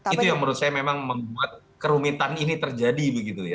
itu yang menurut saya memang membuat kerumitan ini terjadi begitu ya